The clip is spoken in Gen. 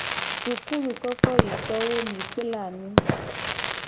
Sukulukokoyitowo mi kpla nu.